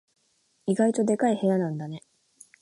意外とでかい部屋なんだね。